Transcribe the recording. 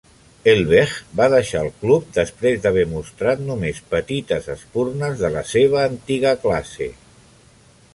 Helveg va deixar el club, després d'haver mostrat només petites espurnes de la seva antiga classe.